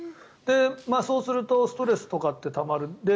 そうするとストレスとかってたまる。